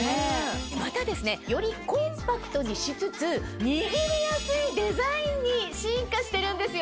またよりコンパクトにしつつ握りやすいデザインに進化してるんですよ。